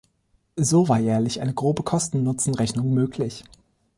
So war jährlich eine grobe Kosten-Nutzen-Rechnung möglich.